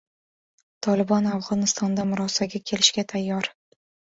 "Tolibon" Afg‘onistonda murosaga kelishga tayyor